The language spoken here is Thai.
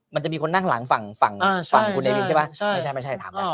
มันจะมีคนนั่งหลังฝั่งอ่าใช่ใช่ใช่ปะไม่ใช่ถามแล้ว